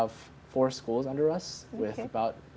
empat sekolah di bawah kita